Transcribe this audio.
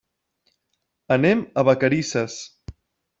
Anem a Vacarisses.